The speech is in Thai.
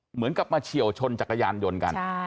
เหมือนกับมาเฉียวชนจักรยานยนต์กัน